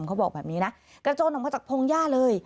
เขาบอกแบบนี้นะกระโจนออกมาจากพงหญ้าเลย